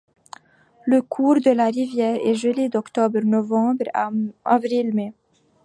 Le cours de la rivière est gelé d'octobre-novembre à avril-mai.